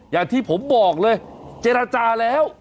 อย่างที่ผมบอกเลยเจรจาแล้ว